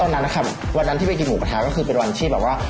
วันนั้นนะครับวันนั้นที่ไปกินหมูกระทะก็คือเป็นวันที่แบบว่า